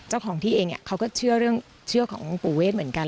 เจ้าของที่เองเขาก็เชื่อเรื่องเชื่อของปู่เวทเหมือนกัน